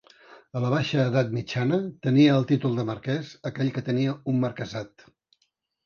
A la baixa edat mitjana, tenia el títol de marquès aquell que tenia un marquesat.